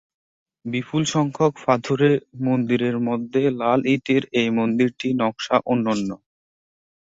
বিপুল সংখ্যক পাথুরে মন্দিরের মধ্যে লাল ইটের এই মন্দিরটির নকশা অনন্য।